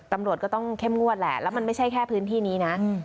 ตำรวจก็ต้องเข้มงวดแหละแล้วมันไม่ใช่แค่พื้นที่นี้นะ